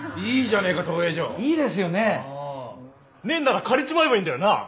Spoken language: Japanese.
ねえんなら借りちまえばいいんだよな。